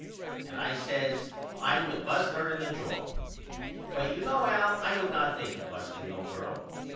And I says I would bust her in the jaw. But you know Al I would not think of busting no girl.